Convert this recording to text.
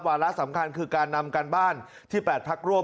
ละสำคัญคือการนำการบ้านที่๘พักร่วม